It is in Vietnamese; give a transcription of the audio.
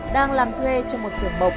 đang làm thuê cho một sửa bộc